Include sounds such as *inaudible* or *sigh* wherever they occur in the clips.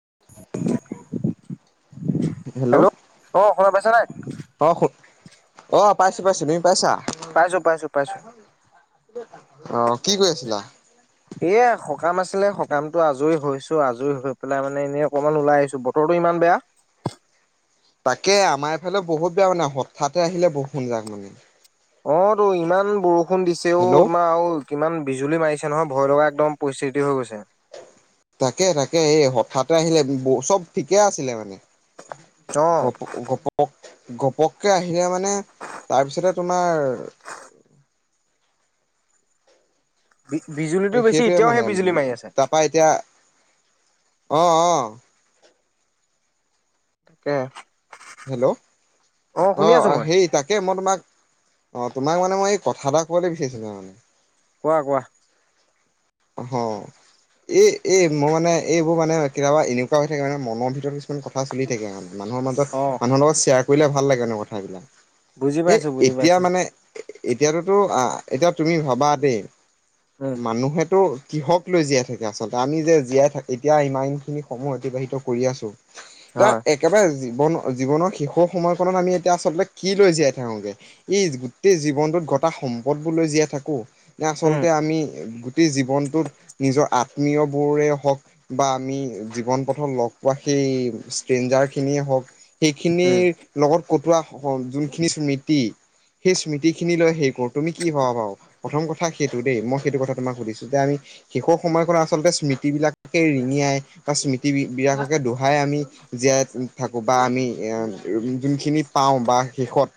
*inaudible* Hello! অ শুনা পাইছা নাই? অ অ পাইছো পাইছো। তুমি পাইছা? পাইছো পাইছো পাইছো কি কৰি আছিলা? এ সকাম আছিলে, সকামটো আজৰি হৈছো। আজৰি হৈ পেলাই মানে এনেই অকমান ওলাই আহিছো। বতৰটো ইমান মান বেয়া। তাকে আমাৰ এইফালেও বহুত বেয়া মানে হঠাতে আহিলে বৰুষুণজাক মানে। অ তো ইমান বৰষুণ দিছে ঔ, হেল্ল' তোমাৰ অ কিমান বিজুলী মাৰিছে নহয়, ভয় লগা একদম পৰিস্থিতি হৈ গৈছে। তাকে-তাকে এই হঠাতে আহিলে, চব ঠিকে আছিলে মানে অ গপ গপক। ঘপককে আহিলে মানে তাৰপিছতে তোমাৰ বি বিজুলীটো বেছি সেইটোয়ে এতিয়াও মানে সেই বিজুলী মাৰি আছে তাৰাপা এতিয়া, অ অ। তাকে। হেল্ল', অ শুনি আছো মই সেই তাকে মই তোমাক অ, তোমাক মানে মই এই কথা এটা কবলৈ বিচাৰিছিলো, তাৰ মানে কোৱা কোৱা? আহ। এ এ মোৰ মানে এইবোৰ মানে কেতিয়াবা এনেকুৱা হৈ থাকে মানে মনৰ ভিতৰত কিছুমান কথা চলি থাকে মানে। মানুহৰ মাজত অ মানুহৰ লগত শ্বেয়াৰ কৰিলে ভাল লাগে এনে কথাবিলাক বুজি এই পাইছো বুজি এতিয়া পাইছো মানে। এতিয়াতোতো এতিয়া তুমি ভাবা দেই উম মানুহে টো কিহক লৈ জীয়াই থাকে আচলতে। আমি যে জীয়াই থাকো এতিয়া ইমান খিনি সমূহ অতিবাহিত কৰি আছো। বা হয় একেবাৰে জীৱন জীৱনৰ শেষৰ সময়কনত আমি এতিয়া আচলতে কি লৈ জীয়াই থাকোঁগে। এই গোটেই জীৱনটোত গটা - সম্পদবোৰলৈ জীয়াই থাকো। ন উম আচলতে আমি জীৱনটোত নিজৰ আত্মীয় বোৰে হওক বা আমি জীৱন পথত লগ পোৱা সে- স্তেঞ্জেৰ খিনিয়ে হওক উম সেইখিনিৰ লগত কটোৱা স যোনখিনি স্মৃতি সেই স্মৃতি খিনি লৈ সেই কৰো তুমি কি ভবা বাৰ প্ৰথম কথা সেইটো দেই মই সেইটো কথা তোমাক সুধিছো যে আমি শেষৰ সময়খন আচলতে স্মৃতি বিলাকে ৰিঙিয়াই ত স্মৃতি বিলাককে দোহাই আমি জীয়াই থাকো বা আমি যোনখিনি পাওঁ বা শেষত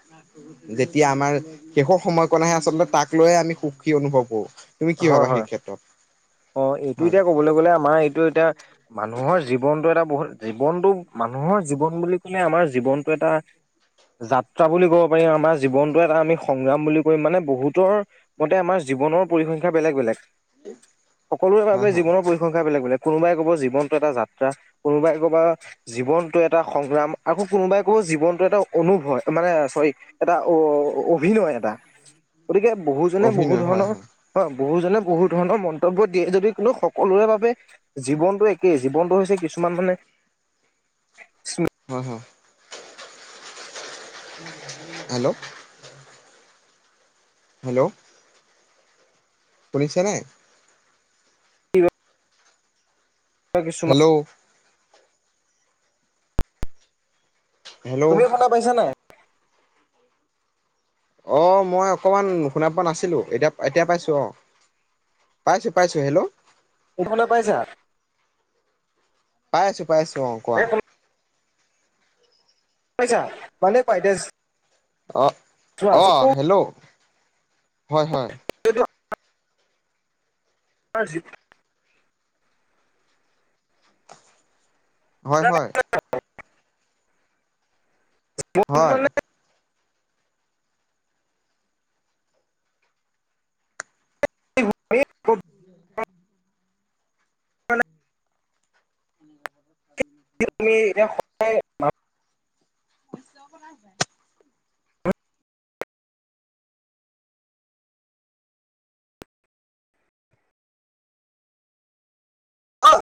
যেতিয়া আমাৰ শেষৰ সময়কণ আহে আচলতে তাক লৈয়ে আমি সুখী অনুভৱ কৰোঁ। তুমি কি হয় ভাবা হয় সেই ক্ষেত্ৰত অ এইটো হয়, এতিয়া কবলৈ গ'লে আমাৰ এইটো এতিয়া মান- মানুহৰ জীৱনটো এটা বহুত জীৱনটো মানুহৰ জীৱন বুলি কলে আমাৰ জীৱনটো এটা যাত্ৰা বুলি ক'ব পাৰিম আমাৰ জীৱনটো এটা আমি সংগ্ৰাম বুলি কৰিম মানে বহুতৰ মতে আমাৰ জীৱনৰ পৰিসংখ্যা বেলেগ বেলেগ। সকলোৰে হয়, বাবে হয়, জীৱনৰ পৰিসংখ্যা বেলেগ বেলেগ। কোনোবাই ক'বা জীৱনটো এটা যাত্ৰা, কোনোবাই ক'বা জীৱনতটো এটা সংগ্ৰাম, আকৌ কোনোবাই ক'ব জীৱনটো এটা অনুভয় মানে চ'ৰি এটা অ অভিনয় এটা *inaudible* গতিকে বহুজনে বহু ধৰণৰ হয় বহুজনে বহু ধৰণৰ মন্ত কৰ্তব্য দিয়ে যদি কিন্তু সকলোৰে বাবে জীৱনটো একেই জীৱনটো হৈছে কিছুমান মানে স্ম- অ হ হেল্ল' হেল্ল' শুনিছে নে? বা কিছুমান হেল্ল' হেল্ল' তুমি শুনা পাইছা নাই। অ মই অকমান শুনা পোৱা নাছিলো এতিয়া এতিয়া পাইছো অ। পাইছো পাইছো হেল্ল'। ইফালে পাইছা? পাইছো পাইছো। অ কোৱা? এই শুনা পাইছা। মানে পাইটেছ অ অ হেল্ল', হয় হয়। আজিত হয় হয়। হয়। *unintelligible* *unintelligible* *unintelligible* *unintelligible* অহ